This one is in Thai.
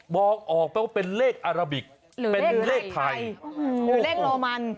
บอกออกเป็นเลขอาราบิกหรือเลขไทยหรือเลขโรมัน